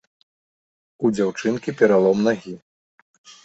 У дзяўчынкі пералом нагі.